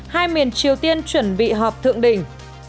hai miền triều tiên chuẩn bị họp thượng đỉnh